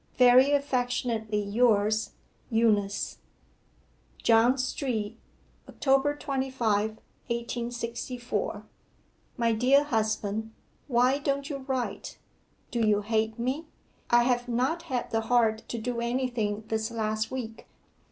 Very affectionately yours, EUNICE.' 'JOHN STREET, October 25, 1864. 'MY DEAR HUSBAND, Why don't you write? Do you hate me? I have not had the heart to do anything this last week.